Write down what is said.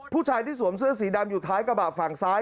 ผู้ชายที่สวมเสื้อสีดำอยู่ท้ายกระบะฝั่งซ้าย